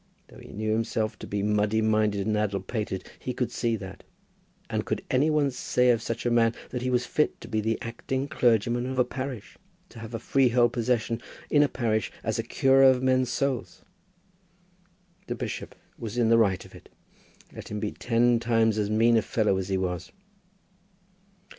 Though he knew himself to be muddy minded and addle pated, he could see that. And could any one say of such a man that he was fit to be the acting clergyman of a parish, to have a freehold possession in a parish as curer of men's souls! The bishop was in the right of it, let him be ten times as mean a fellow as he was.